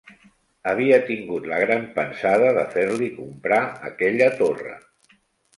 Havia tingut la gran pensada de fer-li comprar aquella torre